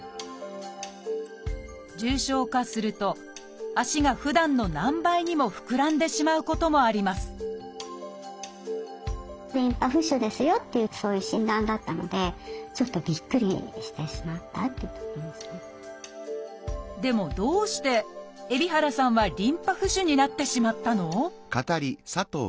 重症化すると足がふだんの何倍にも膨らんでしまうこともありますでもどうして海老原さんはリンパ浮腫になってしまったの？